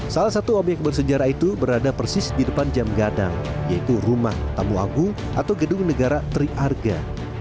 salah satu obyek bersejarah itu berada persis di depan jam gadang yaitu rumah tamu agung atau gedung negara tri arga